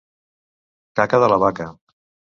Caca de la vaca.